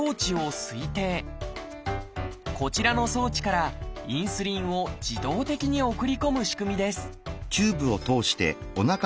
こちらの装置からインスリンを自動的に送り込む仕組みです